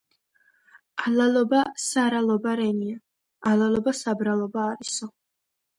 ალალობა სარალობა რენია.„ალალობა საბრალობა არისო“.